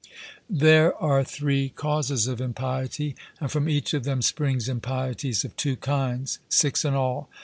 There are three causes of impiety, and from each of them spring impieties of two kinds, six in all.